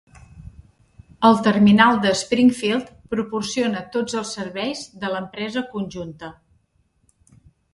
El terminal de Springfield proporciona tots els serveis de l'empresa conjunta.